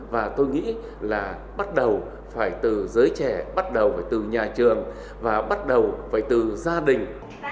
và tôi nghĩ là bắt đầu phải từ giới trẻ bắt đầu phải từ nhà trường và bắt đầu phải từ gia đình